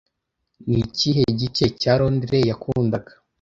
Ni kihe gice cya Londres yakundaga